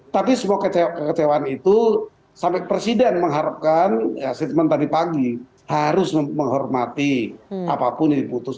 tapi semua kekecewaan itu sampai presiden mengharapkan statement tadi pagi harus menghormati apapun yang diputus